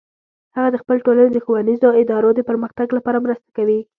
هغه د خپل ټولنې د ښوونیزو ادارو د پرمختګ لپاره مرسته کوي